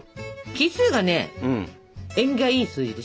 奇数がね縁起がいい数字でしょ？